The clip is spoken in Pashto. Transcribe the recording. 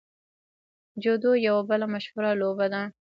جودو یوه بله مشهوره لوبه ده.